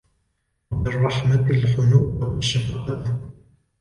وَبِالرَّحْمَةِ الْحُنُوَّ وَالشَّفَقَةَ